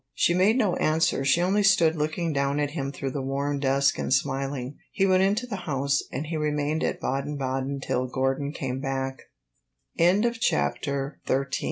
She made no answer; she only stood looking down at him through the warm dusk and smiling. He went into the house, and he remained at Baden Baden till Gordon came back. CHAPTER XIV Gordon asked him no q